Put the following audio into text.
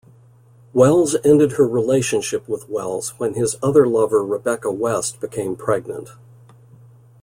Wells, ended her relationship with Wells when his other lover Rebecca West became pregnant.